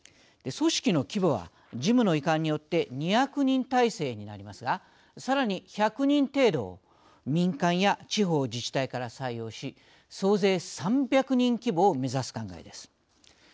組織の規模は事務の移管によって２００人体制になりますがさらに１００人程度を民間や地方自治体から採用し総勢３００人規模を目指す考えです。